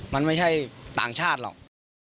มันไม่ใช่ต่างชาติหรอก